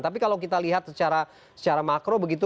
tapi kalau kita lihat secara makro begitu